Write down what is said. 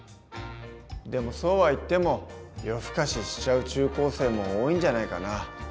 でもそうはいっても夜更かししちゃう中高生も多いんじゃないかな？